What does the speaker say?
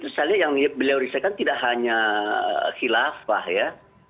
tersesatnya yang beliau risahkan tidak hanya khilafah ya